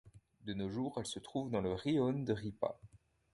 De nos jours, elle se trouve dans le rione de Ripa.